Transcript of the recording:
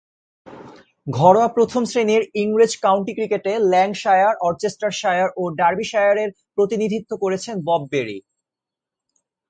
ঘরোয়া প্রথম-শ্রেণীর ইংরেজ কাউন্টি ক্রিকেটে ল্যাঙ্কাশায়ার, ওরচেস্টারশায়ার ও ডার্বিশায়ারের প্রতিনিধিত্ব করেছেন বব বেরি।